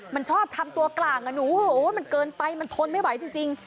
มันชอบทำตัวกลางอ่ะหนูมันเกินไปมันทนไม่ไหวจริง